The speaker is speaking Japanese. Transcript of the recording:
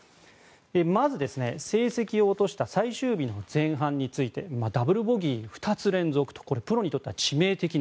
まず、成績を落とした最終日の前半についてダブルボギー、２つ連続プロにとっては致命的な。